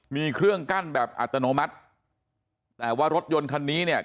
มีเครื่องกั้นแบบอัตโนมัติแต่ว่ารถยนต์คันนี้เนี่ย